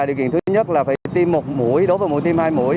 điều kiện thứ nhất là phải tiêm một mũi đối với mũi tiêm hai mũi